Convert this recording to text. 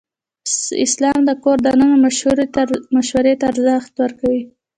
اسلام د کور دننه مشورې ته ارزښت ورکوي.